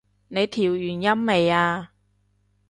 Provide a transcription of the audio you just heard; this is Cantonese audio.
你調完音未啊？